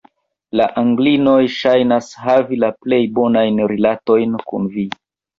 La Anglinoj ŝajnas havi la plej bonajn rilatojn kun vi.